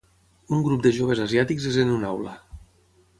Un grup de joves asiàtics és en una aula.